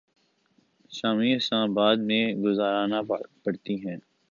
شامیں Islamabad میں گزارنا پڑتی ہیں۔